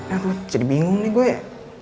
aku jadi bingung nih gue ya